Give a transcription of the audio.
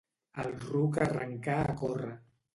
El ruc arrencà a córrer.